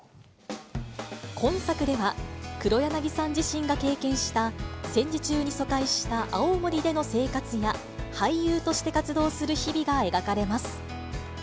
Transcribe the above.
今作では、黒柳さん自身が経験した、戦時中に疎開した青森での生活や、俳優として活動する日々が描かれます。